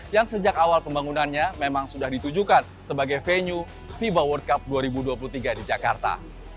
yang sejak awal pembangunannya memang sudah ditujukan sebagai venue fiba world cup dua ribu dua puluh tiga di jakarta